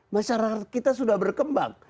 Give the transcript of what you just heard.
masyarakat kita sudah berkembang